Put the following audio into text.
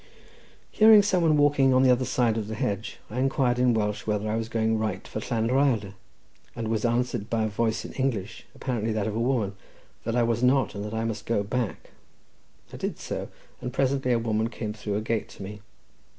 Hearing some one walking on the other side of the hedge, I inquired in Welsh whether I was going right for Llan Rhyadr, and was answered by a voice in English, apparently that of a woman, that I was not, and that I must go back. I did so, and presently a woman came through a gate to me.